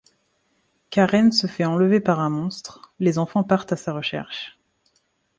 Karen se fait enlever par un monstre, les enfants partent à sa recherche.